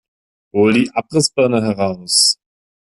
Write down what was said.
Holt die Abrissbirne heraus!